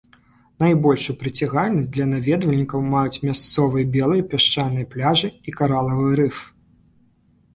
Найбольшую прыцягальнасць для наведвальнікаў маюць мясцовыя белыя пясчаныя пляжы і каралавы рыф.